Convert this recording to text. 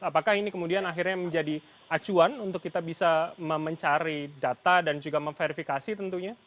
apakah ini kemudian akhirnya menjadi acuan untuk kita bisa mencari data dan juga memverifikasi tentunya